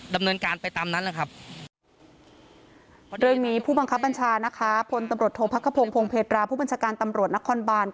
ดำเนินการไปตามนั้นแหละครับ